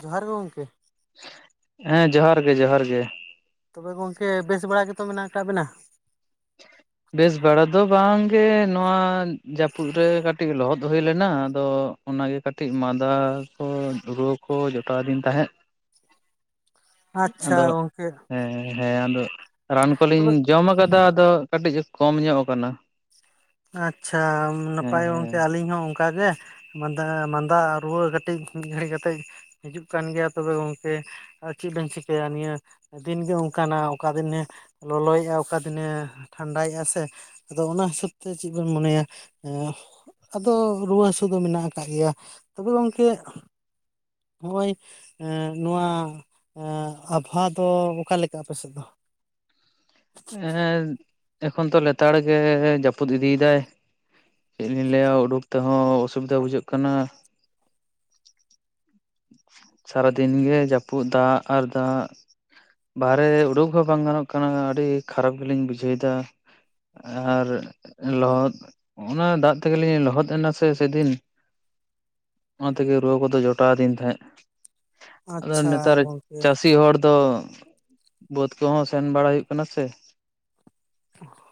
ᱡᱚᱦᱟᱨ ᱜᱮ ᱜᱚᱝᱠᱮ ᱾ ᱦᱮᱸ ᱡᱚᱦᱟᱨ ᱜᱮ ᱡᱚᱦᱟᱨ ᱜᱮ ᱾ ᱛᱚᱵᱮ ᱜᱚᱝᱠᱮ ᱵᱮᱥ ᱵᱟᱲᱟ ᱜᱮᱛᱚ ᱢᱮᱱᱟᱜ ᱟᱠᱟᱫ ᱵᱮᱱᱟ? ᱵᱮᱥ ᱵᱟᱲᱟ ᱫᱚ ᱵᱟᱝ ᱜᱮ, ᱱᱚᱣᱟ ᱡᱟᱹᱯᱩᱫ ᱨᱮ ᱠᱟᱹᱴᱤᱡ ᱞᱚᱦᱚᱫ ᱦᱩᱭ ᱞᱮᱱᱟ, ᱟᱫᱚᱼᱼ ᱚᱱᱟ ᱜᱮ ᱠᱟᱹᱴᱤᱡ ᱢᱟᱫᱟ ᱠᱚ, ᱨᱩᱣᱟᱹ ᱠᱚ ᱡᱚᱴᱟᱣ ᱟᱫᱤᱧ ᱛᱟᱸᱦᱮᱫ ᱾ [inaudible] ᱟᱪᱪᱷᱟ ᱟᱫᱚ ᱜᱚᱝᱠᱮ ᱦᱮᱸ ᱦᱮᱸ, ᱦᱮᱸ ᱟᱫᱚ ᱨᱟᱱ ᱠᱚᱞᱤᱧ ᱛᱚᱵᱮ ᱡᱚᱢ ᱠᱟᱫᱟ ᱟᱫᱚᱼᱼ ᱠᱟᱹᱴᱤᱡ ᱠᱚᱢ ᱧᱚᱜ ᱟᱠᱟᱱᱟ ᱾ ᱟᱪᱪᱷᱟ ᱦᱮᱸ ᱱᱟᱯᱟᱭ ᱜᱚᱝᱠᱮ ᱦᱮᱸ ᱟᱞᱤᱧ ᱦᱚᱸ ᱚᱱᱠᱟ ᱜᱮ ᱾ ᱢᱟᱸᱫᱟ ᱢᱟᱸᱫᱟ ᱨᱩᱣᱟᱹ ᱠᱟᱹᱴᱤᱡ, ᱢᱤᱫ ᱜᱷᱟᱹᱲᱤ ᱠᱟᱛᱮᱜ ᱦᱤᱡᱩᱜ ᱠᱟᱱ ᱜᱮᱭᱟ ᱛᱚᱵᱮ ᱜᱚᱝᱠᱮ ᱾ ᱟᱨ ᱪᱮᱫ ᱵᱮᱱ ᱪᱤᱠᱟᱹᱭᱟ ᱱᱤᱭᱟᱹᱼᱼ ᱫᱤᱱ ᱜᱮ ᱚᱱᱠᱟᱱᱟ ᱚᱠᱟ ᱫᱤᱱᱮ, ᱞᱚᱞᱚᱭᱮᱜ-ᱟ, ᱚᱠᱟ ᱫᱤᱱᱮ ᱴᱷᱟᱱᱰᱟᱭᱮᱜ-ᱟ ᱥᱮ ᱾ ᱟᱫᱚ ᱚᱱᱟ ᱦᱤᱥᱟᱹᱵᱽ ᱛᱮ ᱪᱮᱫ ᱵᱚᱱ ᱢᱚᱱᱮᱭᱟ, ᱮᱸᱼᱼ ᱟᱫᱚ ᱨᱩᱣᱟᱹᱜ ᱦᱟᱹᱥᱩ ᱫᱚ ᱢᱮᱱᱟᱜ ᱟᱠᱟᱫ ᱜᱮᱭᱟ, ᱛᱚᱵᱮ ᱜᱚᱝᱠᱮᱼᱼ ᱱᱚᱜ-ᱚᱭ ᱮᱸ, ᱱᱚᱣᱟ ᱮᱸ ᱟᱵᱽᱦᱟᱣᱟ ᱫᱚ ᱚᱠᱟ ᱞᱮᱠᱟ ᱟᱯᱮ ᱥᱮᱫ ᱫᱚ? ᱮᱫ, ᱮᱠᱷᱚᱱ ᱛᱚ ᱞᱮᱛᱟᱲ ᱜᱮ ᱡᱟᱹᱯᱩᱫ ᱤᱫᱤᱭᱮᱫᱟᱭ ᱾ ᱪᱮᱫ ᱞᱤᱧ ᱞᱟᱹᱭᱟ ᱩᱰᱩᱠ ᱛᱮᱦᱚᱸ ᱚᱥᱩᱵᱤᱫᱟ ᱵᱩᱡᱷᱟᱹᱜ ᱠᱟᱱᱟ ᱾ ᱥᱟᱨᱟ ᱫᱤᱱ ᱜᱮ ᱡᱟᱹᱯᱩᱫ, ᱫᱟᱜ ᱟᱨ ᱫᱟᱜ ᱾ ᱵᱟᱨᱦᱮ ᱩᱰᱩᱠ ᱦᱚᱸ ᱵᱟᱝ ᱜᱟᱱᱚᱜ ᱠᱟᱱᱟ, ᱟᱹᱰᱤ ᱠᱷᱟᱨᱟᱯ ᱜᱮᱞᱤᱧ ᱵᱩᱡᱷᱟᱹᱣ ᱮᱫᱟ ᱾ ᱟᱨ, ᱞᱚᱦᱚᱫᱼᱼ ᱚᱱᱟ ᱫᱟᱜ ᱛᱮᱜᱮᱞᱤᱧ ᱞᱚᱦᱚᱫ ᱮᱱᱟ ᱥᱮ ᱥᱮᱫᱤᱱ ᱾ ᱚᱱᱟ ᱛᱮᱜᱮ ᱨᱩᱣᱟᱹ ᱠᱚᱫᱚ ᱡᱚᱴᱟᱣ ᱟᱫᱤᱧ ᱛᱟᱸᱦᱮᱫ ᱾ ᱟᱫᱚ ᱟᱪᱪᱷᱟ ᱱᱮᱛᱟᱨ ᱜᱚᱝᱠᱮ ᱪᱟᱹᱥᱤ ᱦᱚᱲ ᱫᱚᱼᱼ ᱵᱟᱹᱫᱽ ᱠᱚᱦᱚᱸ ᱥᱮᱱ ᱵᱟᱲᱟ ᱦᱩᱭᱩᱜ ᱠᱟᱱᱟ ᱥᱮ ᱾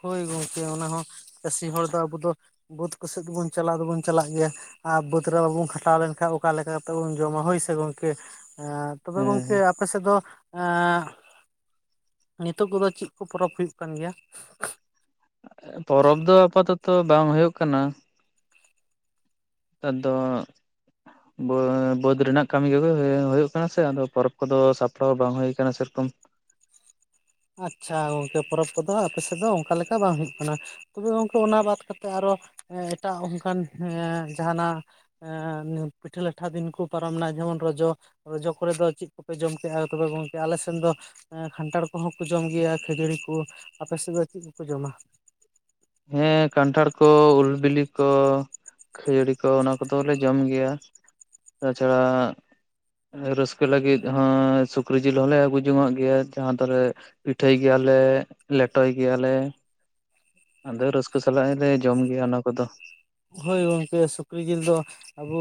ᱦᱳᱭ ᱜᱚᱝᱠᱮ ᱚᱱᱟ ᱦᱚᱸ, ᱪᱟᱹᱥᱤ ᱦᱚᱲ ᱫᱚ ᱟᱵᱚ ᱫᱚ ᱾ ᱵᱟᱹᱫᱽ ᱠᱚᱥᱮᱫ ᱫᱚᱵᱚᱱ ᱪᱟᱞᱟᱣ ᱫᱚᱵᱚᱱ ᱪᱟᱞᱟᱜ ᱜᱮᱭᱟ ᱾ ᱟᱨ ᱵᱟᱹᱫᱽ ᱨᱮ ᱵᱟᱵᱚᱱ ᱠᱷᱟᱴᱟᱣ ᱞᱮᱱᱠᱷᱟᱱ ᱚᱠᱟ ᱞᱮᱠᱟ ᱠᱟᱛᱮᱫ ᱵᱚᱱ ᱡᱚᱢᱟ ᱦᱳᱭ ᱥᱮ ᱜᱚᱝᱠᱮ ᱾ ᱟᱸ ᱛᱚᱵᱮ ᱜᱚᱝᱠᱮ ᱦᱮᱸ ᱟᱯᱮ ᱥᱮᱫ ᱫᱚ ᱮᱸ ᱱᱤᱛᱚᱜ ᱠᱚᱫᱚ ᱪᱮᱫ ᱠᱚ ᱯᱚᱨᱚᱵᱽ ᱦᱩᱭᱩᱜ ᱠᱟᱱ ᱜᱮᱭᱟ? ᱯᱚᱨᱚᱵᱽ ᱫᱚ ᱟᱯᱟᱛᱚᱛᱚ ᱵᱟᱝ ᱦᱩᱭᱩᱜ ᱠᱟᱱᱟ ᱾ ᱱᱮᱛ ᱫᱚ ᱚ ᱵᱟᱹᱫᱽ ᱨᱮᱱᱟᱜ ᱠᱟᱹᱢᱤ ᱠᱚᱜᱮ ᱮ ᱦᱩᱭᱩᱜ ᱠᱟᱱᱟ ᱥᱮ ᱟᱫᱚ ᱯᱚᱨᱚᱵᱽ ᱠᱚᱫᱚ ᱥᱟᱯᱲᱟᱣ ᱵᱟᱝ ᱦᱩᱭᱩᱜ ᱟᱠᱟᱱᱟ ᱥᱮᱨᱚᱠᱚᱢ ᱾ ᱟᱪᱪᱷᱟ ᱜᱚᱝᱠᱮ ᱯᱚᱨᱚᱵᱽ ᱠᱚᱫᱚ ᱟᱯᱮ ᱥᱮᱫ ᱫᱚ ᱚᱱᱠᱟ ᱞᱮᱠᱟ ᱵᱟᱝ ᱦᱩᱭᱩᱜ ᱠᱟᱱᱟ ᱾ ᱛᱚᱵᱮ ᱜᱚᱝᱠᱮ ᱚᱱᱟ ᱵᱟᱫᱽ ᱠᱟᱛᱮᱜ ᱟᱨᱚ ᱮ ᱮᱴᱟᱜ ᱚᱱᱠᱟᱱ ᱮ ᱡᱟᱦᱟᱱᱟᱜᱼᱼ ᱯᱤᱴᱷᱟᱹ ᱞᱟᱴᱷᱟ ᱫᱤᱱ ᱠᱚ ᱯᱟᱨᱚᱢᱮᱱᱟ ᱡᱮᱢᱚᱱ ᱨᱚᱡᱚ ᱨᱚᱡᱚ ᱠᱚᱨᱮ ᱫᱚ ᱪᱮᱫ ᱠᱚᱯᱮ ᱡᱚᱢ ᱠᱮᱜᱼᱟ ᱛᱚᱵᱮ ᱜᱚᱝᱠᱮ, ᱟᱞᱮ ᱥᱮᱱ ᱫᱚ ᱮᱸ ᱠᱷᱟᱱᱴᱷᱟᱲᱼᱼ ᱠᱚᱦᱚᱸ ᱠᱚ ᱡᱚᱢ ᱜᱮᱭᱟ ᱠᱷᱟᱹᱡᱟᱹᱲᱤ ᱠᱚ, ᱟᱯᱮᱥᱮᱫ ᱫᱚ ᱪᱮᱫ ᱠᱚᱠᱚ ᱡᱚᱢᱟ? ᱦᱮᱸ ᱠᱟᱱᱴᱷᱟᱲ ᱠᱚ, ᱩᱞ ᱵᱤᱞᱤ ᱠᱚ ᱠᱷᱟᱹᱡᱟᱹᱲᱤ ᱠᱚ ᱚᱱᱟ ᱠᱚᱫᱚᱞᱮ ᱡᱚᱢ ᱜᱮᱭᱟ, ᱛᱟᱪᱷᱟᱲᱟ ᱨᱟᱹᱥᱠᱟᱹ ᱞᱟᱹᱜᱤᱫ ᱦᱚᱸ ᱥᱩᱠᱨᱤ ᱡᱤᱞ ᱦᱚᱸᱞᱮ ᱟᱹᱜᱩ ᱡᱚᱝᱟᱜ ᱜᱮᱭᱟ ᱡᱟᱦᱟᱸ ᱛᱟᱨᱮ ᱯᱤᱴᱷᱟᱹᱭ ᱜᱮᱭᱟᱞᱮ, ᱞᱮᱴᱚᱭ ᱜᱮᱭᱟᱞᱮ ᱟᱫᱚ ᱨᱟᱹᱥᱠᱟᱹ ᱥᱟᱞᱟᱜ ᱞᱮ ᱡᱚᱢ ᱜᱮᱭᱟ ᱚᱱᱟ ᱠᱚᱫᱚ ᱾ ᱦᱳᱭ ᱜᱚᱝᱠᱮ ᱥᱩᱠᱨᱤ ᱡᱤᱞ ᱫᱚ ᱟᱵᱚ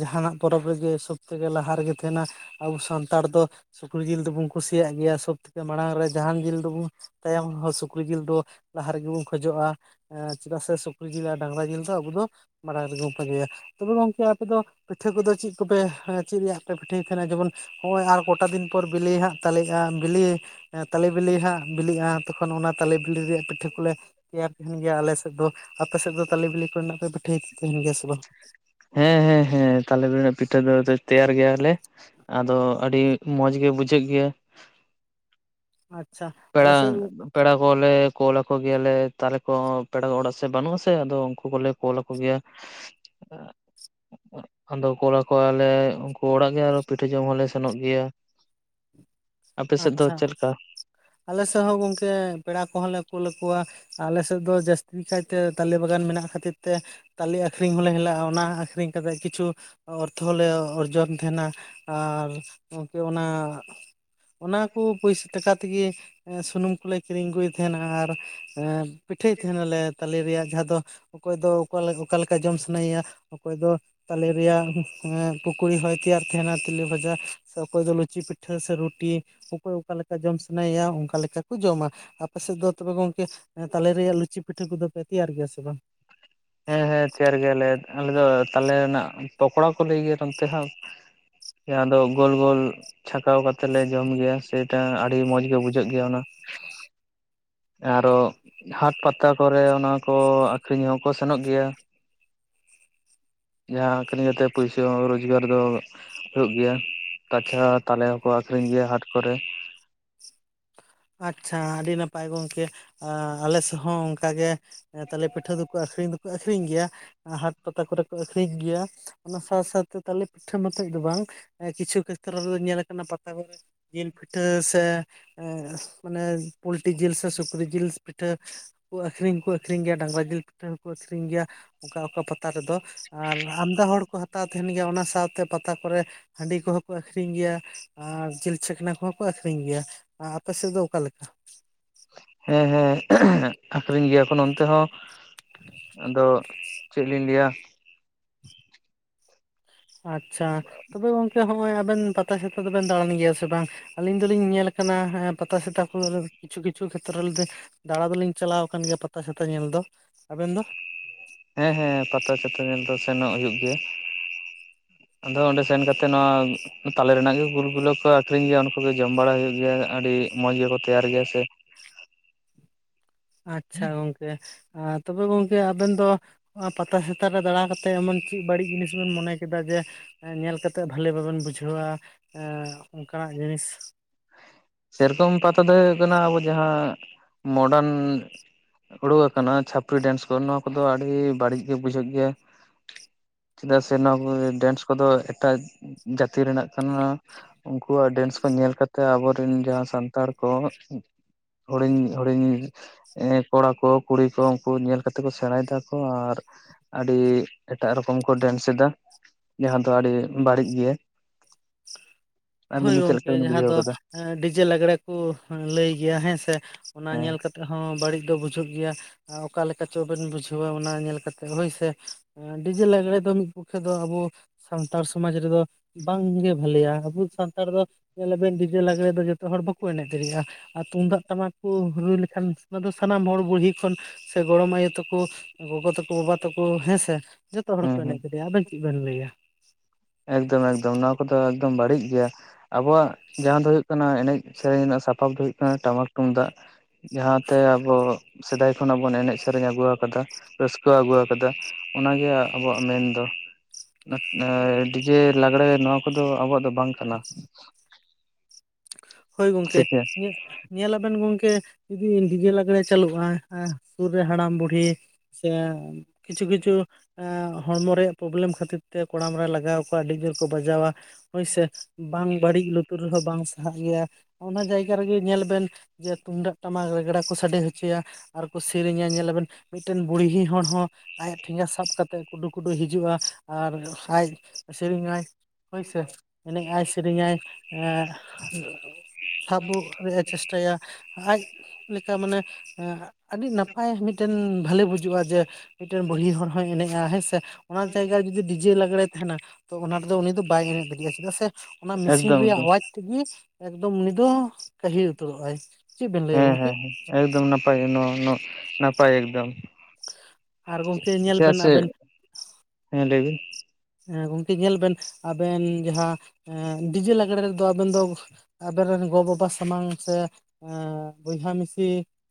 ᱡᱟᱦᱟᱱᱟᱜ ᱯᱚᱨᱚᱵᱽ ᱨᱮᱜᱮ ᱥᱚᱵ ᱛᱷᱮᱠᱮ ᱞᱟᱦᱟ ᱨᱮᱜᱮ ᱛᱟᱦᱮᱱᱟ ᱟᱵᱚ ᱥᱟᱱᱛᱟᱲ ᱫᱚ ᱥᱩᱠᱨᱤ ᱡᱤᱞ ᱫᱚᱵᱚᱱ ᱠᱩᱥᱤᱭᱟᱜ ᱜᱮᱭᱟ ᱥᱚᱵ ᱛᱷᱮᱠᱮ ᱢᱟᱲᱟᱝ ᱨᱮ ᱡᱟᱦᱟᱱ ᱡᱤᱞ ᱫᱚᱵᱚᱱ ᱛᱟᱭᱚᱢᱦᱚᱸ ᱥᱩᱠᱨᱤ ᱡᱤᱞ ᱫᱚ ᱞᱟᱦᱟ ᱨᱮᱜᱮ ᱵᱚᱱ ᱠᱷᱚᱡᱚᱜᱼᱟ᱾ ᱪᱮᱫᱟᱜ ᱥᱮ ᱥᱩᱠᱨᱤ ᱡᱤᱞ ᱰᱟᱝᱨᱟ ᱡᱤᱞ ᱟᱵᱚ ᱫᱚ ᱢᱟᱲᱟᱝ ᱨᱮᱜᱵᱚᱱ ᱯᱟᱸᱡᱮᱭᱟ ᱛᱚᱵᱮ ᱜᱚᱝᱠᱮ ᱟᱯᱮ ᱫᱚ ᱯᱤᱴᱷᱟᱹ ᱠᱚᱫᱚ ᱪᱮᱫ ᱠᱚᱯᱮ ᱪᱮᱫ ᱨᱮᱭᱟᱜ ᱯᱮ ᱯᱤᱴᱷᱟᱹᱭ ᱛᱟᱦᱮᱱᱟ ᱡᱮᱢᱚᱱ ᱱᱚᱜᱼᱚᱭ ᱟᱨ ᱠᱚᱴᱟ ᱫᱤᱱ ᱯᱚᱨ ᱵᱮᱞᱮ ᱦᱟᱜ ᱛᱟᱞᱮᱜᱼᱟ ᱵᱮᱞᱮ ᱛᱟᱞᱮ ᱵᱮᱞᱮ ᱦᱟᱸᱜ ᱵᱮᱞᱮᱜᱼᱟ ᱛᱚᱠᱷᱚᱱ ᱚᱱᱟ ᱛᱟᱞᱮ ᱵᱮᱞᱮ ᱨᱮᱭᱟᱜ ᱯᱤᱴᱷᱟᱹ ᱠᱚᱞᱮ ᱛᱮᱭᱟᱨ ᱛᱟᱦᱮᱱ ᱜᱮᱭᱟ ᱟᱞᱮ ᱥᱮᱫ ᱫᱚ ᱟᱯᱮ ᱥᱮᱫ ᱫᱚ ᱛᱟᱞᱮ ᱵᱮᱞᱮ ᱠᱚᱨᱮᱱᱟᱜ ᱯᱮ ᱯᱤᱴᱷᱟᱹᱭ ᱛᱟᱦᱮᱱ ᱜᱮᱭᱟ ᱥᱮ ᱵᱟᱝ? ᱦᱮᱸ ᱦᱮᱸᱮᱸ ᱾ ᱦᱮ ᱛᱟᱞᱮ ᱨᱮᱱᱟᱜ ᱯᱤᱴᱷᱟᱹ ᱫᱚ ᱛᱮᱭᱟᱨ ᱜᱮᱭᱟ ᱞᱮ ᱟᱫᱚ ᱟᱹᱰᱤ ᱢᱚᱸᱡᱽ ᱜᱮ ᱵᱩᱡᱷᱟᱹᱜ ᱜᱮᱭᱟ ᱟᱪᱷᱟ [unintelligible] ᱟᱲᱟᱝ ᱯᱮᱲᱟ ᱠᱚᱞᱮ ᱠᱞ ᱟᱠᱚ ᱜᱮᱭᱟᱞᱮ ᱛᱟᱦᱞᱮ ᱠᱚ ᱯᱮᱲᱟ ᱠᱚ ᱚᱲᱟᱜ ᱥᱮᱫ ᱵᱟᱹᱱᱩᱜ ᱟᱥᱮ ᱟᱫᱚ ᱩᱱᱠᱩ ᱜᱮᱞᱮ ᱟᱠᱚ ᱜᱮᱭᱟ [inaudible] [inaudible] ᱟᱫᱚ ᱠᱚᱲᱟ ᱠᱚᱞᱮ ᱩᱱᱠᱩ ᱚᱲᱟᱜ ᱜᱮ ᱟᱨ ᱯᱤᱴᱷᱟᱹ ᱡᱚᱢ ᱦᱚᱸᱞᱮ ᱥᱮᱱᱚᱜ ᱜᱮᱭᱟ᱾ ᱟᱯᱮ ᱥᱮᱫ ᱫᱚ ᱟᱪᱪᱷᱟ ᱪᱮᱫ ᱞᱮᱠᱟ? ᱟᱞᱮ ᱥᱮᱫ ᱦᱚᱸ ᱜᱚᱝᱠᱮ ᱯᱮᱲᱟ ᱠᱚᱦᱚᱸ ᱞᱮ ᱠᱳᱞ ᱟᱠᱚᱣᱟ ᱟᱞᱮ ᱥᱮᱫ ᱫᱚ ᱡᱟᱹᱥᱛᱤ ᱠᱟᱭᱛᱮ ᱛᱟᱞᱮ ᱵᱟᱜᱟᱱ ᱢᱮᱱᱟᱜ ᱠᱷᱟᱹᱛᱤᱨ ᱛᱮ ᱛᱟᱞᱮ ᱟᱠᱷᱨᱤᱧ ᱦᱚᱸᱞᱮ ᱦᱮᱞᱟᱜᱼᱟ ᱚᱱᱟ ᱟᱠᱷᱨᱤᱧ ᱠᱟᱛᱮᱫ ᱠᱤᱪᱷᱩ ᱚᱨᱛᱷᱚ ᱞᱮ ᱚᱨᱡᱚᱱ ᱛᱟᱦᱮᱱᱟ ᱟᱨ ᱠᱤ ᱚᱱᱟ ᱚᱱᱟ ᱠᱚ ᱯᱩᱭᱥᱟ ᱴᱟᱠᱟ ᱛᱮᱜᱮ ᱥᱩᱱᱩᱢ ᱠᱚᱞᱮ ᱠᱤᱨᱤᱧ ᱟᱹᱜᱩᱭᱮᱫ ᱛᱟᱦᱮᱱᱟ ᱟᱨ ᱯᱤᱴᱷᱟᱹᱭ ᱛᱟᱦᱮ ᱱᱟᱞᱮ ᱛᱟᱞᱮ ᱨᱮᱭᱟᱜ ᱡᱟᱦᱟᱸ ᱫᱚ ᱚᱠᱚᱭ ᱫᱚ ᱚᱠᱟ ᱚᱠᱟ ᱞᱮᱠᱟ ᱡᱚᱢ ᱥᱟᱱᱟᱭᱮᱭᱟ ᱚᱠᱚᱭ ᱫᱚᱼᱼ ᱛᱟᱞᱮ ᱨᱮᱭᱟᱜ ᱯᱩᱠᱩᱨᱤ ᱦᱚᱭ ᱛᱮᱭᱟᱨ ᱛᱟᱦᱮᱱᱟ ᱛᱮᱞᱮ ᱵᱷᱟᱡᱟ ᱥᱮ ᱚᱠᱚᱭ ᱫᱚ ᱞᱩᱪᱤ ᱯᱤᱴᱷᱟᱹ ᱥᱮ ᱨᱩᱴᱤ ᱯᱩᱴᱤ ᱚᱠᱚᱭ ᱚᱠᱟᱮ ᱞᱮᱠᱟ ᱡᱚᱢ ᱥᱟᱱᱟᱭᱮᱭᱟ ᱚᱱᱠᱟ ᱞᱮᱠᱟ ᱠᱚ ᱡᱚᱢᱟ ᱟᱯᱮ ᱥᱮᱫ ᱫᱚ ᱛᱚᱵᱮ ᱜᱚᱝᱠᱮ? ᱮ ᱛᱟᱞᱮ ᱨᱮᱭᱟᱜ ᱞᱩᱪᱤ ᱯᱤᱴᱷᱟᱹ ᱠᱚᱫᱚ ᱯᱮ ᱛᱮᱭᱟᱨ ᱜᱮᱭᱟ ᱥᱮ ᱵᱟᱝ? ᱦᱮᱸ ᱦᱮᱸ ᱛᱮᱭᱟᱨ ᱜᱮᱭᱟᱞᱮ ᱟᱞᱮ ᱫᱚ ᱛᱟᱞᱮ ᱨᱮᱱᱟᱜ ᱯᱚᱠᱚᱲᱟ ᱠᱚ ᱞᱟᱹᱭ ᱜᱮᱭᱟ ᱚᱱᱛᱮ ᱦᱚᱸ ᱡᱟᱦᱟᱸ ᱫᱚ ᱜᱳᱞ ᱜᱳᱞ ᱪᱷᱟᱠᱟᱣ ᱠᱟᱛᱮᱜ ᱞᱮ ᱡᱚᱢ ᱜᱮᱭᱟ ᱥᱮᱴᱟ ᱟᱹᱰᱤ ᱢᱚᱸᱡ ᱜᱮ ᱵᱩᱡᱷᱟᱹᱜ ᱜᱮᱭᱟ ᱚᱱᱟ ᱟᱨᱚ ᱦᱟᱴ ᱯᱟᱛᱟ ᱠᱚᱨᱮ ᱚᱱᱟ ᱠᱚ ᱟᱠᱷᱨᱤᱧᱚᱜ ᱠᱚ ᱥᱮᱱᱚᱜ ᱜᱮᱭᱟ ᱡᱟᱦᱟᱸᱱᱤ ᱠᱟᱛᱮ ᱯᱩᱭᱥᱟᱹ ᱦᱚᱸ ᱨᱚᱡᱽᱜᱟᱨ ᱫᱚ ᱦᱩᱭᱩᱜ ᱜᱮᱭᱟ ᱛᱟᱪᱷᱟ ᱛᱟᱞᱮ ᱦᱚᱸᱠᱚ ᱟᱠᱷᱨᱤᱧ ᱜᱮᱭᱟ ᱦᱟᱴ ᱠᱚᱨᱮ ᱟᱪᱪᱷᱟ ᱟᱹᱰᱤ ᱱᱟᱯᱟᱭ ᱜᱚᱝᱠᱮ ᱟᱞᱮ ᱥᱮᱫ ᱦᱚᱸ ᱚᱱᱠᱟ ᱜᱮ᱾ ᱦᱮᱸ ᱛᱟᱦᱞᱮ ᱯᱤᱴᱷᱟᱹ ᱫᱚᱠᱚ ᱟᱠᱷᱨᱤᱧ ᱫᱚᱠᱚ ᱟᱠᱷᱨᱤᱧ ᱜᱮᱭᱟ। ᱦᱟᱴ ᱯᱟᱛᱟ ᱠᱚᱨᱮ ᱠᱚ ᱟᱠᱷᱨᱤᱧ ᱜᱮᱭᱟ ᱚᱱᱟ ᱥᱟᱶ ᱥᱟᱶᱛᱮ ᱛᱟᱞᱮ ᱯᱤᱴᱷᱟᱹ ᱢᱚᱛᱚᱡ ᱫᱚ ᱵᱟᱝ। ᱠᱤᱪᱷᱩ ᱠᱷᱮᱛᱨᱚ ᱨᱮᱫᱚ ᱧᱮᱞ ᱟᱠᱟᱱᱟ ᱯᱟᱛᱟ ᱠᱚ ᱨᱮ ᱡᱤᱞ ᱯᱤᱴᱷᱟᱹ ᱥᱮ ᱮ ᱢᱟᱱᱮ ᱯᱳᱞᱴᱤ ᱡᱤᱞ ᱥᱮ ᱥᱩᱠᱨᱤ ᱡᱤᱞ ᱯᱤᱴᱷᱟᱹ। ᱠᱚ ᱟᱹᱠᱷᱨᱤᱧ ᱠᱚ ᱟᱠᱷᱨᱤᱧ ᱜᱮᱭᱟ ᱰᱟᱝᱨᱟ ᱡᱤᱞ ᱯᱤᱴᱷᱟᱹ ᱦᱚᱸᱠᱚ ᱟᱹᱷᱨᱤᱧ ᱜᱮᱭᱟ ᱚᱠᱟ ᱚᱠᱟ ᱯᱟᱛᱟ ᱨᱮ ᱫᱚ। ᱟᱨ ᱟᱢᱫᱟ ᱦᱚᱲ ᱠᱚ ᱦᱟᱛᱟᱣ ᱛᱟᱦᱮᱱ ᱜᱮᱭᱟ ᱚᱱᱟ ᱥᱟᱶᱛᱮ ᱯᱟᱛᱟ ᱠᱚᱨᱮ ᱦᱟᱺᱰᱤ ᱠᱚᱦᱚᱸ ᱠᱚ ᱟᱠᱷᱨᱤᱧ ᱜᱮᱭᱟ। ᱟᱨ ᱡᱤᱞ ᱪᱷᱟᱠᱱᱟ ᱠᱚᱦᱚᱸ ᱠᱚ ᱟᱠᱷᱨᱤᱧ ᱜᱮᱭᱟ। ᱟᱨ ᱟᱯᱮ ᱥᱮᱫ ᱫᱚ ᱚᱠᱟ ᱞᱮᱠᱟ? ᱦᱮᱸ ᱦᱮᱸ ᱟᱠᱷᱨᱤᱧ ᱜᱮᱭᱟ ᱠᱚ ᱱᱚᱱ ᱛᱮ ᱦᱚᱸ। ᱟᱫᱚ ᱪᱮᱫ ᱞᱤᱧ ᱞᱟᱹᱭᱟ! ᱟᱪᱪᱷᱟ ᱛᱚᱵᱮ ᱜᱚᱝᱠᱮ ᱦᱚᱸᱜᱼᱚᱭ ᱟᱵᱮᱱ ᱯᱟᱛᱟ ᱥᱮᱛᱟ ᱫᱚᱵᱮᱱ ᱫᱟᱬᱟᱱ ᱜᱮᱭᱟ ᱥᱮ ᱵᱟᱝ? ᱟᱞᱤᱧ ᱫᱚᱞᱤᱧ ᱧᱮᱞ ᱠᱟᱱᱟ ᱯᱟᱛᱟ ᱥᱮᱛᱟ ᱠᱚᱨᱮ ᱠᱤᱪᱷᱩ ᱠᱤᱪᱷᱩ ᱠᱷᱮᱛᱨᱮ ᱨᱮᱫᱚᱼᱼ ᱫᱟᱬᱟ ᱫᱚᱞᱤᱧ ᱪᱟᱞᱟᱣ ᱠᱟᱱ ᱜᱮᱭᱟ ᱯᱟᱛᱟ ᱪᱷᱟᱛᱟ ᱧᱮᱞ ᱫᱚ ᱟᱵᱮᱱ ᱫᱚ? ᱦᱮᱸ ᱦᱮᱸ ᱯᱟᱛᱟ ᱪᱟᱛᱟ ᱧᱮᱞ ᱫᱚ ᱥᱮᱱᱚᱜ ᱦᱩᱭᱩᱜ ᱜᱮᱭᱟ। ᱟᱫᱚ ᱚᱸᱰᱮ ᱥᱮᱱ ᱠᱟᱛᱮ ᱱᱚᱣᱟ ᱼᱼ ᱛᱟᱞᱮ ᱨᱮᱱᱟᱜ ᱜᱮ ᱜᱩᱞ ᱜᱩᱞᱟᱹ ᱠᱚ ᱟᱠᱷᱨᱤᱧ ᱜᱮᱭᱟ ᱚᱱᱟ ᱠᱚ ᱜᱮ ᱡᱚᱢ ᱵᱟᱲᱟ ᱦᱩᱭᱩᱜ ᱜᱮᱭᱟ ᱟᱹᱰᱤ ᱢᱚᱸᱡᱽ ᱜᱮᱠᱚ ᱛᱮᱭᱟᱨ ᱜᱮᱭᱟ ᱥᱮ। ᱟᱪᱪᱷᱟ ᱜᱚᱝᱠᱮ ᱟ ᱛᱚᱵᱮ ᱜᱚᱝᱠᱮ ᱟᱵᱮᱱ ᱫᱚ ᱱᱚᱣᱟ ᱯᱟᱛᱟ ᱥᱮᱛᱟ ᱨᱮ ᱫᱟᱬᱟ ᱠᱟᱛᱮᱫ ᱮᱢᱚᱱ ᱪᱮᱫ ᱵᱟᱹᱲᱤᱡ ᱡᱤᱱᱤᱥ ᱵᱤᱱ ᱢᱚᱱᱮ ᱠᱮᱫᱟ ᱡᱮᱼᱼ ᱧᱮᱞ ᱠᱟᱛᱮᱜ ᱵᱷᱟᱞᱮ ᱵᱟᱵᱮᱱ ᱵᱩᱡᱷᱟᱹᱣᱟ ᱮ ᱚᱱᱠᱟᱱᱟᱜ ᱡᱤᱱᱤᱥ? ᱥᱮᱨᱚᱠᱚᱢ ᱯᱟᱛᱟ ᱫᱚ ᱦᱩᱭᱩᱜ ᱠᱟᱱᱟ ᱟᱵᱚ ᱡᱟᱦᱟᱸ ᱢᱚᱰᱟᱱᱼᱼ ᱩᱰᱩᱠ ᱟᱠᱟᱱᱟ ᱪᱷᱟᱯᱨᱤ ᱰᱮᱱᱥ ᱠᱚ ᱱᱚᱣᱟ ᱠᱚᱫᱚ ᱟᱹᱰᱤ ᱵᱟᱹᱲᱤᱡ ᱜᱮ ᱵᱩᱡᱷᱟᱹᱜ ᱜᱮᱭᱟ। ᱪᱮᱫᱟᱜ ᱥᱮ ᱱᱚᱣᱟ ᱠᱚ ᱰᱮᱱᱥ ᱠᱚᱫᱚ ᱮᱴᱟᱜ ᱡᱟᱹᱛᱤ ᱨᱮᱱᱟᱜ ᱠᱟᱱᱟ। ᱩᱱᱠᱩᱣᱟᱜ ᱰᱮᱱᱥ ᱠᱚ ᱧᱮᱞ ᱠᱟᱛᱮ ᱟᱵᱚᱨᱮᱱ ᱡᱟᱦᱟᱸ ᱥᱟᱱᱛᱟᱲ ᱠᱚ ᱼᱼ ᱦᱩᱲᱤᱧ ᱦᱩᱲᱤᱧ ᱼᱼ ᱮ ᱠᱚᱲᱟ ᱠᱚ ᱠᱩᱲᱤ ᱠᱚ ᱩᱱᱠᱩ ᱧᱮᱞ ᱠᱟᱛᱮ ᱠᱚ ᱥᱮᱬᱟᱭ ᱫᱟᱠᱚ ᱟᱨ ᱼᱼ ᱟᱹᱰᱤ ᱮᱴᱟᱜ ᱨᱚᱠᱚᱢ ᱠᱚ ᱰᱮᱱᱥ ᱮᱫᱟ। ᱡᱟᱦᱟᱸ ᱫᱚ ᱟᱹᱰᱤ ᱵᱟᱹᱲᱤᱡ ᱜᱮᱭᱟ। ᱟᱹᱵᱤᱱ ᱫᱚ ᱪᱮᱫ ᱞᱮᱠᱟ ᱵᱤᱱ ᱵᱩᱡᱷᱟᱹᱣ ᱟᱠᱟᱫᱟ? ᱮ ᱰᱤᱡᱮ ᱞᱟᱸᱜᱽᱲᱟᱮ ᱠᱚ ᱞᱟᱹᱭ ᱜᱮᱭᱟ ᱦᱮᱸ ᱥᱮ? ᱚᱱᱟ ᱦᱮᱸ ᱧᱮᱞ ᱠᱟᱛᱮᱜ ᱦᱚᱸ ᱵᱟᱹᱲᱤᱡ ᱫᱚ ᱵᱩᱡᱷᱟᱹᱜ ᱜᱮᱭᱟ। ᱟ ᱚᱠᱟ ᱞᱮᱠᱟ ᱪᱚ ᱵᱮᱱ ᱵᱩᱡᱷᱟᱹᱣᱟ ᱚᱱᱟ ᱧᱮᱞ ᱠᱟᱛᱮᱫ ᱦᱳᱭᱥᱮ? ᱰᱤᱡᱮ ᱞᱟᱸᱜᱽᱬᱮ ᱫᱚ ᱢᱤᱫ ᱯᱚᱠᱠᱷᱮ ᱫᱚ ᱟᱵᱚ ᱼᱼ ᱥᱟᱱᱛᱟᱲ ᱥᱚᱢᱟᱡᱽ ᱨᱮᱫᱚ ᱵᱟᱝᱜᱮ ᱵᱟᱹᱞᱮᱭᱟ ᱟᱵᱚ ᱥᱟᱱᱛᱟᱲ ᱫᱚ ᱧᱮᱞᱟᱵᱮᱱ ᱰᱤᱡᱮ ᱞᱟᱸᱜᱽᱲᱮ ᱫᱚ ᱼᱼ ᱡᱚᱛᱚ ᱦᱚᱲ ᱵᱟᱠᱚ ᱮᱱᱮᱡ ᱫᱟᱲᱮᱭᱟᱜᱼᱟ᱾ ᱟᱨ ᱛᱩᱢᱫᱟᱜ ᱴᱟᱢᱟᱠ ᱠᱚ ᱨᱩ ᱞᱮᱠᱷᱟᱱ ᱚᱱᱟ ᱥᱟᱱᱟᱢ ᱦᱚᱲ ᱵᱩᱲᱦᱤ ᱠᱷᱚᱱ ᱼᱼ ᱥᱮ ᱜᱚᱲᱚᱢ ᱟᱭᱩ ᱛᱟᱠᱚ ᱜᱚᱜᱚ ᱛᱟᱠᱚ ᱵᱟᱵᱟ ᱛᱟᱠᱚ ᱦᱮᱸᱥᱮ ᱡᱷᱚᱛᱚ ᱦᱚᱲ ᱦᱮᱸ ᱠᱚ ᱮᱱᱮᱡ ᱦᱮᱸ ᱠᱮᱫᱮᱭᱟ। ᱟᱵᱮᱱ ᱼᱼ ᱪᱮᱫ ᱵᱮᱱ ᱞᱟᱹᱭᱟ? ᱮᱠᱫᱚᱢ ᱮᱠᱫᱚᱢ ᱱᱚᱣᱟ ᱠᱚᱫᱚ ᱮᱠᱫᱚᱢ ᱵᱟᱹᱲᱤᱡ ᱜᱮᱭᱟ। ᱟᱵᱚᱣᱟᱜ ᱡᱟᱦᱟᱸ ᱫᱚ ᱦᱩᱭᱩᱜ ᱠᱟᱱᱟ ᱮᱱᱮᱡ ᱥᱮᱨᱮᱧ ᱨᱮᱭᱟᱜ ᱥᱟᱯᱟᱯ ᱫᱚ ᱦᱩᱭᱩᱜ ᱠᱟᱱᱟ ᱴᱟᱢᱟᱠ ᱛᱩᱢᱫᱟᱜ। ᱡᱟᱦᱟᱸᱛᱮ ᱟᱵᱚ ᱥᱮᱫᱟᱭ ᱠᱷᱚᱱᱟᱜ ᱵᱚᱱ ᱮᱱᱮᱡ ᱥᱮᱨᱮᱧ ᱟᱹᱜᱩ ᱟᱠᱟᱫᱟ ᱨᱟᱹᱥᱠᱟᱹ ᱟᱹᱜᱩ ᱟᱠᱟᱫᱟ। ᱚᱱᱟᱜᱮ ᱟᱵᱚᱣᱟᱜ ᱢᱮᱱᱫᱚ। ᱰᱤᱡᱮ ᱞᱟᱜᱽᱲᱮ ᱱᱚᱣᱟ ᱠᱚᱫᱚ ᱟᱵᱚᱣᱟᱜ ᱫᱚ ᱵᱟᱝ ᱠᱟᱱᱟ। ᱦᱳᱭ ᱜᱚᱢᱠᱮ ᱥᱮ ᱪᱮᱫ ᱤᱧᱟᱹᱜ ᱼᱼ ᱧᱮᱞᱟᱵᱮᱱ ᱜᱚᱢᱠᱮ ᱡᱩᱫᱤ ᱰᱤᱡᱮ ᱞᱟᱜᱽᱲᱮ ᱪᱟᱹᱞᱩᱜᱼᱟ᱾ ᱟ ᱥᱩᱨ ᱨᱮ ᱦᱟᱲᱟᱢ ᱵᱩᱰᱷᱤ ᱼᱼ ᱥᱮ ᱠᱤᱪᱷᱩ ᱠᱤᱪᱷᱩ ᱼᱼ ᱮᱸᱻ ᱦᱚᱲᱢᱚ ᱨᱮᱭᱟᱜ ᱯᱨᱚᱵᱞᱮᱢ ᱠᱷᱟᱹᱛᱤᱨ ᱛᱮ ᱠᱚᱲᱟᱢ ᱨᱮ ᱞᱟᱜᱟᱣᱟ ᱠᱚᱣᱟ ᱟᱹᱰᱤ ᱡᱳᱨ ᱠᱚ ᱵᱟᱡᱟᱣᱟ। ᱦᱳᱭᱥᱮ ᱵᱟᱝ ᱵᱟᱹᱲᱤᱡ ᱞᱩᱛᱩᱨ ᱨᱮᱦᱚᱸ ᱵᱟᱝ ᱼᱼ ᱥᱟᱦᱟᱜ ᱜᱮᱭᱟ ᱚᱱᱟ ᱡᱟᱭᱜᱟ ᱨᱮᱜᱮ ᱧᱮᱞ ᱵᱮᱱ ᱡᱮ ᱛᱩᱢᱫᱟᱜ ᱴᱟᱢᱟᱠ ᱨᱮᱜᱽᱲᱟ ᱠᱚ ᱥᱟᱰᱮ ᱦᱚᱪᱚᱭᱟ। ᱟᱨᱠᱚ ᱥᱮᱨᱮᱧᱟ ᱧᱮᱞᱟᱵᱮᱱ ᱢᱤᱫᱴᱮᱱ ᱵᱩᱲᱦᱤ ᱦᱚᱲ ᱦᱚᱸ ᱼᱼ ᱟᱭᱟᱜ ᱴᱷᱮᱸᱜᱟ ᱥᱟᱵ ᱠᱟᱛᱮᱫ ᱠᱩᱰᱩᱼ ᱠᱩᱰᱩ ᱦᱤᱡᱩᱜᱼᱟ᱾ ᱟᱨ ᱟᱡ ᱥᱮᱨᱮᱧᱟᱭ। ᱦᱳᱭᱥᱮ ᱮᱱᱮᱡ ᱟᱭ ᱥᱮᱨᱮᱧ ᱟᱭ ᱮᱸᱻ ᱥᱟᱵᱚᱜ ᱨᱮᱭᱟᱜᱼ ᱮ ᱪᱮᱥᱴᱟᱭᱟ ᱟᱡ ᱞᱮᱠᱟ ᱢᱟᱱᱮ ᱮᱸ ᱼᱼ ᱟᱹᱰᱤ ᱱᱟᱯᱟᱭ ᱢᱤᱫᱴᱮᱱ ᱵᱷᱟᱹᱞᱤ ᱵᱩᱡᱩᱜᱼᱟ ᱡᱮ ᱼᱼ ᱢᱤᱫᱴᱮᱱ ᱵᱩᱲᱦᱤ ᱦᱚᱲ ᱦᱚᱸᱭ ᱮᱱᱮᱡᱼᱟ ᱦᱮᱸ ᱥᱮ ᱚᱱᱟ ᱡᱟᱭᱜᱟ ᱨᱮ ᱡᱩᱫᱤ ᱰᱤᱡᱮ ᱞᱟᱜᱽᱲᱮ ᱛᱟᱦᱮᱱᱟᱼᱼ ᱛᱚ ᱚᱱᱟ ᱨᱮᱫᱚ ᱩᱱᱤ ᱫᱚ ᱵᱟᱭ ᱮᱱᱮᱡ ᱫᱟᱲᱮᱭᱟᱜᱼᱟ ᱪᱮᱫᱟᱜ ᱥᱮ ᱚᱱᱟ ᱢᱮᱥᱤᱱ ᱮᱠᱫᱚᱢ ᱨᱮᱭᱟᱜ ᱮᱠᱫᱚᱢ ᱟᱣᱟᱡᱼᱼ ᱛᱮᱜᱮ ᱮᱠᱫᱚᱢ ᱩᱱᱤ ᱫᱚ ᱠᱟᱹᱦᱤᱞ ᱩᱛᱟᱹᱨᱚᱜ-ᱟᱭ ᱪᱮᱫ ᱵᱮᱱ ᱞᱟᱹᱭᱟ ᱦᱮᱸ ᱜᱚᱝᱠᱮ, ᱦᱮᱸ ᱮᱠᱫᱚᱢ ᱱᱟᱯᱟᱭ ᱱᱚ ᱱᱚ ᱱᱟᱯᱟᱭ ᱮᱠᱫᱚᱢ᱾ ᱟᱨ ᱜᱚᱝᱠᱮ ᱧᱮᱞ ᱪᱮᱫᱟᱜ ᱵᱮᱱ ᱥᱮ ᱟᱵᱮᱱ ᱦᱮᱸ ᱞᱟᱹᱭ ᱵᱤᱱ᱾ ᱦᱮᱸ ᱜᱚᱢᱠᱮ ᱧᱮᱞ ᱵᱮᱱ ᱟᱵᱮᱱ ᱡᱟᱦᱟᱸ ᱰᱤᱡᱮ ᱞᱟᱜᱽᱬᱮ ᱨᱮᱫᱚ ᱟᱵᱮᱱ ᱫᱚᱼᱼ ᱟᱵᱮᱱ ᱨᱮᱱ ᱜᱚ ᱵᱟᱵᱟ ᱥᱟᱢᱟᱝ ᱥᱮ ᱵᱚᱭᱦᱟ ᱢᱤᱥᱤᱼᱼ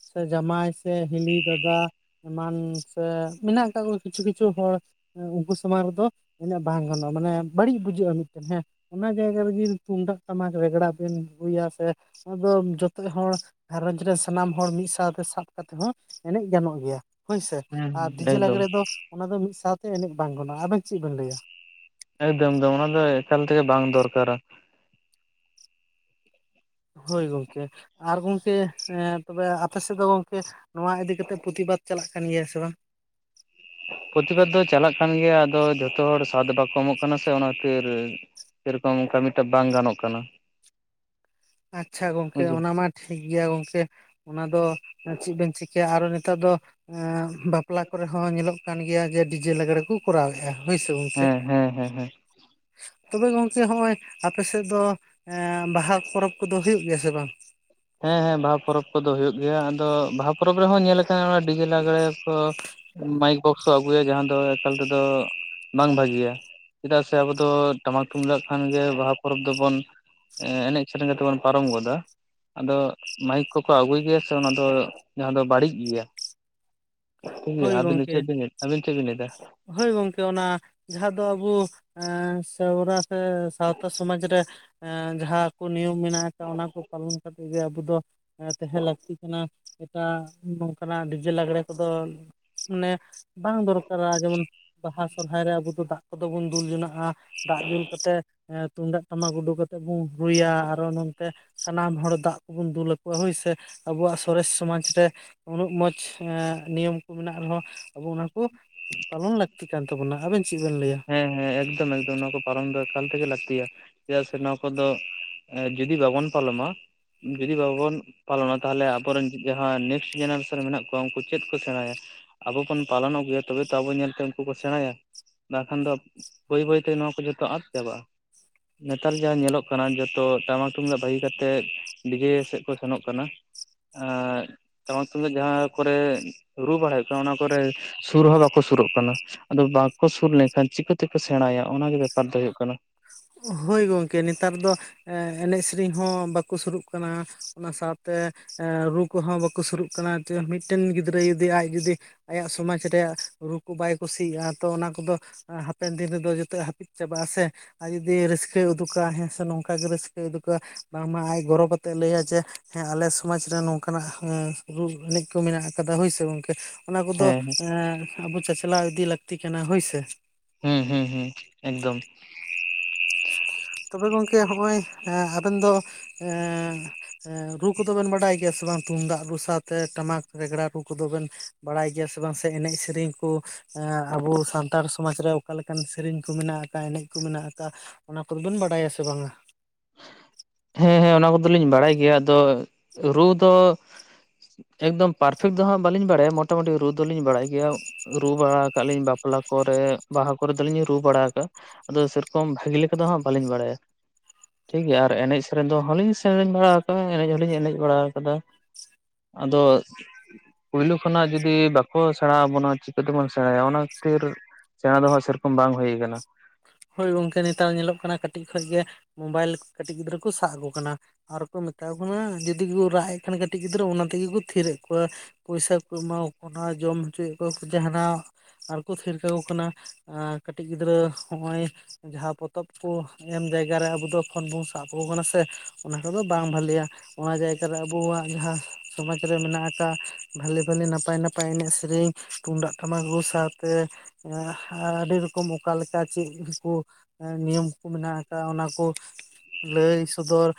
ᱥᱮ ᱡᱟᱢᱟᱭ ᱥᱮ ᱦᱤᱞᱤ ᱫᱟᱫᱟᱼᱼ ᱮᱢᱟᱱ ᱥᱮ ᱢᱮᱱᱟᱜ ᱟᱠᱟᱜ ᱠᱚᱣᱟ ᱠᱤᱪᱷᱩ ᱠᱤᱪᱷᱩ ᱦᱚᱲ ᱩᱱᱠᱩ ᱥᱟᱢᱟᱝ ᱨᱮᱫᱚᱼᱼ ᱩᱱᱟᱹᱜ ᱵᱟᱝ ᱜᱟᱱᱚᱜᱼᱟ ᱢᱟᱱᱮ ᱵᱟᱹᱲᱤᱡ ᱵᱩᱡᱷᱟᱹᱜᱼᱟ ᱢᱤᱫᱴᱮᱱ ᱦᱮᱸᱼᱼ ᱚᱱᱟ ᱡᱟᱭᱜᱟ ᱨᱮᱜᱮ ᱛᱩᱢᱫᱟᱜ ᱴᱟᱢᱟᱠ ᱨᱮᱜᱽᱲᱟ ᱵᱤᱱ ᱨᱩᱭᱟ ᱥᱮᱼᱼ ᱟᱫᱚ ᱡᱷᱚᱛᱚ ᱦᱚᱲ ᱜᱷᱟᱨᱚᱸᱧᱡᱽ ᱨᱮᱱ ᱥᱟᱱᱟᱢ ᱦᱚᱲ ᱢᱤᱫ ᱥᱟᱶᱛᱮ ᱥᱟᱵ ᱠᱟᱛᱮᱫ ᱦᱚᱸ ᱮᱱᱮᱡ ᱜᱟᱱᱚᱜ ᱜᱮᱭᱟ᱾ ᱦᱳᱭᱥᱮ ᱦᱮᱸ ᱟᱨ ᱰᱤᱡᱮ ᱮᱠᱫᱚᱢ ᱞᱟᱜᱽᱬᱮ ᱫᱚ ᱚᱱᱟ ᱫᱚ ᱢᱤᱫ ᱥᱟᱶᱛᱮ ᱮᱱᱮᱡ ᱵᱟᱝ ᱜᱟᱱᱚᱜᱼᱟ ᱟᱵᱮᱱ ᱪᱮᱫ ᱵᱮᱱ ᱞᱟᱹᱭᱟ? ᱮᱠᱫᱚᱢ ᱮᱠᱫᱚᱢ ᱚᱱᱟ ᱫᱚ ᱮᱠᱟᱞ ᱛᱮᱜᱮ ᱵᱟᱝ ᱫᱚᱨᱠᱟᱨᱟ᱾ ᱦᱳᱭ ᱜᱚᱢᱠᱮ ᱟᱨ ᱜᱚᱢᱠᱮᱼᱼ ᱛᱚᱵᱮ ᱟᱯᱮ ᱥᱮᱫ ᱫᱚ ᱜᱚᱝᱠᱮ ᱱᱚᱣᱟ ᱤᱫᱤ ᱠᱟᱛᱮ ᱯᱨᱚᱛᱤ ᱵᱟᱫᱽ ᱪᱟᱞᱟᱜ ᱠᱟᱱ ᱜᱮᱭᱟ ᱥᱮ ᱵᱟᱝ? ᱯᱨᱚᱛᱤᱵᱟᱨ ᱫᱚ ᱪᱟᱞᱟᱜ ᱠᱟᱱ ᱜᱮᱭᱟ ᱟᱫᱚ ᱡᱷᱚᱛᱚ ᱦᱚᱲ ᱥᱟᱫ ᱵᱟᱠᱚ ᱮᱢᱚᱜ ᱠᱟᱱᱟ ᱥᱮ ᱚᱱᱟ ᱠᱷᱟᱹᱛᱤᱨᱼᱼ ᱥᱮᱨᱚᱠᱚᱢ ᱚᱱᱠᱟ ᱢᱤᱫᱴᱟ ᱵᱟᱝ ᱜᱟᱱᱚᱜ ᱠᱟᱱᱟ᱾ ᱟᱪᱪᱷᱟ ᱜᱚᱝᱠᱮ ᱵᱩᱡᱷ ᱚᱱᱟ ᱢᱟ ᱴᱷᱤᱠ ᱜᱮᱭᱟ ᱜᱚᱝᱠᱮᱼᱼ ᱚᱱᱟ ᱫᱚ ᱪᱮᱫ ᱵᱮᱱ ᱪᱤᱠᱟᱹᱭᱟ ᱟᱨᱚ ᱱᱮᱛᱟᱨ ᱫᱚᱼᱼ ᱵᱟᱯᱞᱟ ᱠᱚᱨᱮᱦᱚᱸ ᱧᱮᱞᱚᱜ ᱠᱟᱱ ᱜᱮᱭᱟ ᱡᱮ ᱰᱤᱡᱮ ᱞᱟᱜᱽᱲᱮ ᱠᱚ ᱠᱚᱨᱟᱣᱼᱼ ᱦᱩᱭ ᱥᱮ ᱜᱚᱝᱠᱮ? ᱦᱮᱸ ᱦᱮᱸ ᱦᱮᱸ ᱦᱮᱸ ᱛᱚᱵᱮ ᱜᱚᱝᱠᱮ ᱦᱚᱸᱜᱼᱚᱭ ᱟᱯᱮ ᱥᱮᱫ ᱫᱚ ᱵᱟᱦᱟ ᱯᱚᱨᱚᱵᱽ ᱠᱚᱫᱚ ᱦᱩᱭᱩᱜ ᱜᱮᱭᱟ ᱥᱮ ᱵᱟᱝ? ᱦᱮᱸ ᱦᱮᱸ ᱵᱟᱦᱟ ᱯᱚᱨᱚᱵᱽ ᱠᱚᱫᱚ ᱦᱩᱭᱩᱜ ᱜᱮᱭᱟ ᱟᱫᱚ ᱵᱟᱦᱟ ᱯᱚᱨᱚᱵᱽ ᱨᱮᱦᱚᱸ ᱧᱮᱞ ᱟᱠᱟᱼᱼ ᱰᱤᱡᱮ ᱞᱟᱜᱽᱲᱮ ᱠᱚ ᱢᱟᱭᱤᱠᱼᱼ [unintelligible] ᱡᱟᱦᱟᱸ ᱫᱚ ᱮᱠᱟᱞ ᱛᱮᱫᱚ ᱵᱟᱝ ᱵᱷᱟᱜᱤᱭᱟ ᱪᱮᱫᱟᱜ ᱥᱮ ᱟᱵᱚ ᱫᱚ ᱴᱟᱢᱟᱠ ᱛᱩᱢᱫᱟᱜ ᱠᱷᱟᱱ ᱜᱮ ᱵᱟᱦᱟ ᱯᱚᱨᱚᱵᱽ ᱫᱚᱵᱚᱱᱼᱼ ᱮᱱᱮᱡ ᱥᱮᱨᱮᱧ ᱠᱟᱛᱮᱜ ᱵᱚᱱ ᱯᱟᱨᱚᱢ ᱜᱚᱫᱟ᱾ ᱟᱫᱚ ᱢᱟᱭᱤᱠ ᱠᱚᱠᱚ ᱟᱹᱜᱩᱭ ᱜᱮᱭᱟ ᱥᱮ ᱚᱱᱟ ᱫᱚ ᱡᱟᱦᱟᱸ ᱫᱚ ᱵᱟᱹᱲᱤᱡ ᱜᱮᱭᱟ᱾ ᱴᱷᱤᱠ ᱜᱮᱭᱟ ᱦᱳᱭ ᱟᱵᱤᱱ ᱫᱚ ᱜᱚᱝᱠᱮ ᱪᱮᱫ ᱵᱤᱱ ᱞᱟ. ᱭ ᱟᱹᱵᱤᱱ ᱪᱮᱫ ᱵᱤᱱ ᱞᱟᱹᱭᱮᱫᱟ? ᱦᱳᱭ ᱜᱚᱝᱠᱮ ᱚᱱᱟ ᱡᱟᱦᱟᱸ ᱫᱚ ᱟᱵᱚ ᱥᱮᱣᱨᱟ ᱥᱟᱶᱛᱟ ᱥᱚᱢᱟᱡ ᱨᱮ ᱡᱟᱦᱟᱸ ᱠᱚ ᱱᱤᱭᱚᱢ ᱢᱮᱱᱟᱜ ᱟᱠᱟᱜ ᱚᱱᱟ ᱠᱚ ᱯᱟᱞᱚᱱ ᱠᱟᱛᱮᱼᱼ ᱮ ᱟᱵᱚ ᱫᱚ ᱛᱟᱦᱮᱸ ᱞᱟᱹᱠᱛᱤ ᱠᱟᱱᱟ ᱮᱴᱟᱜ ᱱᱚᱝᱠᱟᱱᱟᱜ ᱰᱤᱡᱮ ᱞᱟᱜᱽᱲᱮ ᱠᱚᱫᱚ᱾ ᱢᱟᱱᱮ ᱵᱟᱝ ᱫᱚᱨᱠᱟᱨᱟ ᱡᱮᱢᱚᱱ ᱵᱟᱦᱟ ᱥᱚᱨᱦᱟᱭ ᱨᱮ ᱟᱵᱚ ᱫᱚ ᱫᱟᱜ ᱠᱚᱫᱚ ᱵᱚᱱ ᱫᱩᱞ ᱡᱚᱱᱟᱜᱼᱟ᱾ ᱫᱟᱜ ᱫᱩᱞ ᱠᱟᱛᱮᱫ ᱛᱩᱢᱫᱟᱜ ᱴᱟᱢᱟᱠ ᱩᱰᱩᱠ ᱠᱟᱛᱮᱫ ᱵᱚᱱ ᱨᱩᱭᱟ ᱟᱨᱚ ᱱᱚᱛᱮ, ᱥᱟᱱᱟᱢ ᱦᱚᱲ ᱫᱟᱜ ᱠᱚᱵᱚᱱ ᱫᱩᱞ ᱟᱠᱚᱣᱟ ᱦᱳᱭ ᱥᱮ ᱟᱵᱚᱣᱟᱜ ᱥᱚᱨᱮᱥ ᱥᱚᱢᱟᱡᱽ ᱨᱮ, ᱩᱱᱟᱹᱜ ᱢᱚᱸᱡᱽ ᱱᱤᱭᱚᱢ ᱠᱚ ᱢᱮᱱᱟᱜ ᱨᱮᱦᱚᱸ ᱟᱵᱚ ᱚᱱᱟᱠᱩ ᱯᱟᱞᱚᱱ ᱞᱟᱹᱠᱼᱼ ᱛᱤᱠ ᱠᱟᱱ ᱛᱟᱵᱚᱱᱟ ᱟᱵᱮᱱ ᱪᱮᱫ ᱵᱮᱱᱼᱼ ᱦᱮᱸ ᱦᱮᱸ ᱮᱠᱫᱚᱢ ᱮᱠᱫᱚᱢ ᱱᱚᱣᱟ ᱠᱚ ᱯᱟᱞᱚᱱ ᱫᱚ ᱮᱠᱟᱞ ᱛᱮᱜᱮ ᱞᱟᱹᱠᱛᱤᱭᱟ᱾ ᱪᱮᱫᱟᱜ ᱥᱮ ᱱᱚᱣᱟ ᱠᱚᱫᱚ ᱡᱩᱫᱤ ᱵᱟᱵᱚᱱ ᱯᱟᱞᱚᱱᱟ ᱡᱩᱫᱤ ᱵᱟᱵᱚᱱᱼᱼ ᱯᱟᱞᱚᱱᱟ ᱛᱟᱦᱚᱞᱮ ᱟᱵᱚᱨᱮᱱ ᱡᱟᱦᱟᱸ ᱱᱮᱠᱥᱴ ᱡᱮᱱᱟᱨᱮᱥᱚᱱ ᱢᱮᱱᱟᱜ ᱠᱚᱼᱼ ᱩᱱᱠᱩ ᱪᱮᱫ ᱠᱚ ᱥᱮᱬᱟᱭᱟ ᱟᱵᱚ ᱵᱚᱱ ᱯᱟᱞᱚᱱ ᱟᱹᱜᱩᱭᱟ ᱛᱚᱵᱮ ᱛᱚ ᱟᱵᱚ ᱧᱮᱞᱛᱮ ᱩᱱᱠᱩ ᱠᱚ ᱥᱮᱬᱟᱭᱟ᱾ ᱵᱟ ᱠᱷᱟᱱ ᱫᱚ ᱵᱟᱹᱭ ᱵᱟᱹᱭᱛᱮ ᱱᱚᱣᱟ ᱠᱚ ᱡᱷᱚᱛᱚ ᱟᱫ ᱪᱟᱵᱟᱜᱼᱟ᱾ ᱱᱮᱛᱟᱨ ᱡᱟᱦᱟᱸ ᱧᱮᱞᱚᱜ ᱠᱟᱱᱟ ᱡᱷᱚᱛᱚ ᱴᱟᱢᱟᱠ ᱛᱩᱢᱫᱟᱜ ᱵᱷᱟᱹᱜᱤ ᱠᱟᱛᱮᱜ ᱰᱤᱡᱮ ᱥᱮᱫ ᱠᱚ ᱥᱮᱱᱚᱜ ᱠᱟᱱᱟ᱾ ᱟᱨ ᱴᱟᱢᱟ ᱛᱩᱢᱫᱟᱜ ᱡᱟᱦᱟᱸ ᱠᱚᱨᱮ ᱨᱩ ᱵᱟᱲᱟᱭ ᱦᱩᱭᱩᱜ ᱠᱟᱱᱟ ᱚᱱᱟ ᱠᱚᱨᱮ ᱥᱩᱨ ᱦᱚᱸ ᱵᱟᱠᱚ ᱥᱩᱨᱚᱜ ᱠᱟᱱᱟ᱾ ᱟᱫᱚ ᱵᱟᱝᱠᱚ ᱥᱩᱨ ᱞᱮᱱᱠᱷᱟᱱ ᱪᱤᱠᱟᱹᱛᱮᱠᱚ ᱥᱮᱬᱟᱭᱟ ᱚᱱᱟᱜᱮ ᱵᱮᱯᱟᱨ ᱫᱚ ᱦᱩᱭᱩᱜ ᱠᱟᱱᱟ᱾ ᱦᱳᱭ ᱜᱚᱝᱠᱮ ᱱᱮᱛᱟᱨ ᱫᱚᱼᱼ ᱮᱱᱮᱡ ᱥᱮᱨᱮᱧ ᱦᱚᱸ ᱵᱟᱠᱚ ᱥᱩᱨᱩᱜ ᱠᱟᱱᱟ ᱚᱱᱟ ᱥᱟᱶᱛᱮ, ᱨᱩ ᱠᱚᱦᱚᱸ ᱵᱟᱠᱚ ᱥᱩᱨᱩᱜ ᱠᱟᱱᱟ ᱢᱤᱫᱴᱮᱱ ᱜᱤᱫᱽᱨᱟᱹ ᱡᱩᱫᱤ ᱟᱡ ᱡᱩᱫᱤᱼᱼ ᱟᱭᱟᱜ ᱥᱚᱢᱟᱡᱽ ᱨᱮᱭᱟᱜ ᱨᱩ ᱠᱚ ᱵᱟᱭ ᱠᱩᱥᱤᱭᱟᱜᱼᱟ ᱛᱚ ᱚᱱᱟ ᱠᱚᱫᱚ ᱦᱟᱯᱮᱱ ᱫᱤᱱ ᱨᱮᱫᱚ ᱡᱚᱛᱚ ᱦᱟᱹᱯᱤᱫ ᱪᱟᱵᱟᱜᱼᱟ ᱥᱮ, ᱟᱡ ᱡᱩᱫᱤ ᱨᱟᱹᱥᱠᱟᱹᱭ ᱩᱫᱩᱜᱟ ᱦᱮᱸᱥᱮ ᱱᱚᱝᱠᱟ ᱜᱮ ᱨᱟᱹᱥᱠᱟᱹᱭ ᱩᱫᱩᱜᱟ ᱵᱟᱝᱢᱟ ᱟᱡ ᱜᱚᱨᱚᱵ ᱟᱛᱮ ᱞᱟᱹᱭᱟ ᱡᱮ ᱦᱮᱸ ᱟᱞᱮ ᱥᱚᱢᱟᱡ ᱨᱮ ᱱᱚᱝᱠᱟᱱᱟᱜ ᱦᱮᱸ ᱨᱩ ᱮᱱᱮᱡ ᱠᱚ ᱢᱮᱱᱟᱜ ᱠᱟᱫᱟ ᱦᱳᱭᱥᱮ ᱜᱚᱝᱠᱮ ᱚᱱᱟ ᱠᱚᱫᱚ ᱦᱮᱸ ᱮᱸ ᱟᱵᱚ ᱪᱟᱪᱞᱟᱣ ᱤᱫᱤ ᱞᱟᱹᱠᱛᱤ ᱠᱟᱱᱟ ᱦᱳᱭᱥᱮ ᱾ ᱦᱩᱸ ᱦᱩᱸ ᱦᱩᱸ ᱮᱠᱫᱚᱢ ᱾ ᱛᱚᱵᱮ ᱜᱚᱝᱠᱮ ᱦᱚᱸᱜᱼᱚᱭ ᱮᱸ ᱟᱵᱮᱱ ᱫᱚ ᱮᱸ ᱮᱸ ᱨᱩ ᱠᱚᱫᱚᱵᱮᱱ ᱵᱟᱰᱟᱭ ᱜᱮᱭᱟ ᱥᱮ ᱵᱟᱝ ᱛᱩᱢᱫᱟᱜ ᱨᱩ ᱥᱟᱶᱛᱮ ᱴᱟᱢᱟᱠ ᱨᱮᱜᱽᱲᱟ ᱨᱩ ᱠᱚᱫᱚᱵᱮᱱ ᱵᱟᱲᱟᱭ ᱜᱮᱭᱟ ᱥᱮ ᱵᱟᱝ ᱥᱮ ᱮᱱᱮᱡ ᱥᱮᱨᱮᱧ ᱠᱚ ᱮᱸ ᱟᱵᱚ ᱥᱟᱱᱛᱟᱲ ᱥᱚᱢᱟᱡᱽ ᱨᱮ ᱚᱠᱟ ᱞᱮᱠᱟᱱ ᱥᱮᱨᱮᱧ ᱠᱚ ᱢᱮᱱᱟᱜ ᱟᱠᱟᱜᱼᱟ, ᱮᱱᱮᱡ ᱠᱚ ᱢᱮᱱᱟᱜ ᱠᱚ ᱢᱮᱱᱟᱜ ᱟᱠᱟᱜᱼᱟ ᱾ ᱚᱱᱟ ᱠᱚᱫᱚᱵᱮᱱ ᱵᱟᱰᱟᱭᱟ ᱥᱮ ᱵᱟᱝᱟ? ᱦᱮᱸ ᱦᱮᱸ, ᱚᱱᱟ ᱠᱚᱫᱚᱞᱤᱧ ᱵᱟᱲᱟᱭ ᱜᱮᱭᱟ ᱟᱫᱚ ᱨᱩ ᱫᱚ ᱮᱠᱫᱚᱢ ᱯᱟᱨᱯᱷᱮᱠᱴ ᱫᱚ ᱦᱟᱸᱜ ᱵᱟᱹᱞᱤᱧ ᱵᱟᱲᱟᱭᱟ ᱢᱚᱴᱟᱢᱩᱴᱤ ᱨᱩ ᱫᱚᱞᱤᱧ ᱵᱟᱲᱟᱭ ᱜᱮᱭᱟ, ᱨᱩ ᱵᱟᱲᱟ ᱟᱠᱟᱜᱼᱟ ᱞᱤᱧ ᱵᱟᱯᱞᱟ ᱠᱚᱨᱮ, ᱵᱟᱦᱟ ᱠᱚᱨᱮ ᱫᱚᱞᱤᱧ ᱨᱩ ᱵᱟᱲᱟ ᱟᱠᱟᱜᱼᱟ ᱾ ᱟᱫᱚ ᱥᱮᱨᱚᱠᱚᱢ ᱵᱷᱟᱜᱮ ᱞᱮᱠᱟ ᱫᱚ ᱦᱟᱸᱜ ᱵᱟᱹᱞᱤᱧ ᱵᱟᱲᱟᱭᱟ ᱾ ᱴᱷᱤᱠ ᱜᱮᱭᱟ ᱟᱨ ᱮᱱᱮᱡ ᱥᱮᱨᱮᱧ ᱫᱚ ᱦᱚᱸᱞᱤᱧ ᱥᱮᱨᱮᱧ ᱵᱟᱲᱟ ᱟᱠᱟᱜᱼᱟ, ᱮᱱᱮᱡ ᱦᱚᱸᱞᱤᱧ ᱮᱱᱮᱡ ᱵᱟᱲᱟ ᱟᱠᱟᱫᱟ ᱾ ᱟᱫᱚ ᱯᱩᱭᱞᱩ ᱠᱷᱚᱱᱟᱜ ᱡᱩᱫᱤ ᱵᱟᱠᱚ ᱥᱮᱸᱲᱟ ᱟᱵᱚᱱᱟ ᱪᱤᱠᱟᱹ ᱛᱮᱵᱚᱱ ᱥᱮᱸᱲᱟᱭᱟ ᱚᱱᱟ ᱠᱷᱟᱹᱛᱤᱨ ᱪᱮᱬᱮ ᱫᱚ ᱦᱟᱸᱜ ᱥᱮᱨᱚᱠᱚᱢ ᱵᱟᱝ ᱦᱩᱭ ᱟᱠᱟᱱᱟ ᱾ ᱦᱳᱭ ᱜᱚᱝᱠᱮ, ᱱᱮᱛᱟᱨ ᱧᱮᱞᱚᱜ ᱠᱟᱱᱟ ᱠᱟᱹᱴᱤᱡ ᱠᱷᱚᱡ ᱜᱮ ᱢᱚᱵᱟᱭᱤᱞ ᱠᱟᱹᱴᱤᱡ ᱜᱤᱫᱽᱨᱟᱹ ᱠᱚ ᱥᱟᱵ ᱟᱠᱚ ᱠᱟᱱᱟ, ᱟᱨ ᱠᱚ ᱢᱮᱛᱟ ᱠᱚ ᱠᱟᱱᱟ ᱡᱩᱫᱤ ᱠᱚ ᱨᱟᱜ ᱮᱫ ᱠᱷᱟᱱ ᱠᱟᱹᱴᱤᱡ ᱜᱤᱫᱽᱨᱟᱹ ᱚᱱᱟ ᱛᱮᱜᱮ ᱠᱚ ᱛᱷᱤᱨᱮᱜ ᱠᱚᱣᱟ, ᱯᱚᱭᱥᱟᱹ ᱠᱚ ᱮᱢᱟᱠᱚ ᱠᱟᱱᱟ ᱡᱚᱢ ᱦᱚᱪᱚᱭᱮᱫ ᱠᱚᱣᱟ ᱠᱚ ᱡᱟᱦᱟᱱᱟᱜ ᱟᱨ ᱠᱚ ᱛᱷᱤᱨ ᱠᱟᱠᱚ ᱠᱟᱱᱟ ᱠᱟᱹᱴᱤᱡ ᱜᱤᱫᱽᱨᱟᱹ ᱱᱚᱜᱼᱚᱭ ᱡᱟᱦᱟᱸ ᱯᱚᱛᱚᱵ ᱠᱚ ᱮᱢ ᱡᱟᱭᱜᱟ ᱨᱮ ᱟᱵᱚ ᱫᱚ ᱯᱷᱳᱱ ᱵᱚᱱ ᱥᱟᱵ ᱟᱠᱚ ᱠᱟᱱᱟ ᱥᱮ ᱚᱱᱟ ᱠᱚᱫᱚ ᱵᱟᱝ ᱵᱷᱟᱹᱞᱮᱭᱟ, ᱚᱱᱟ ᱡᱟᱭᱜᱟ ᱨᱮ ᱟᱵᱚᱣᱟᱜ ᱡᱟᱦᱟᱸ ᱥᱚᱢᱟᱡᱽ ᱨᱮ ᱢᱮᱱᱟᱜ ᱟᱠᱟᱜᱼᱟ ᱵᱷᱟᱞᱮ ᱵᱷᱟᱞᱮ ᱱᱟᱯᱟᱭ ᱱᱟᱯᱟᱭ ᱮᱱᱮᱡ ᱥᱮᱨᱮᱧ ᱛᱩᱢᱫᱟᱜ ᱴᱟᱢᱟᱠ ᱨᱩ ᱥᱟᱶᱛᱮ ᱟᱹᱰᱤ ᱨᱚᱠᱚᱢ ᱚᱠᱟᱞᱮ ᱠᱟ ᱪᱮᱫ ᱠᱚ ᱱᱤᱭᱚᱢ ᱠᱚ ᱢᱮᱱᱟᱜ ᱟᱠᱟᱜᱼᱟ ᱚᱱᱟ ᱠᱚ ᱞᱟᱹᱭ ᱥᱚᱫᱚᱨ